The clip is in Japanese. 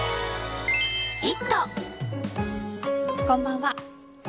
こんばんは。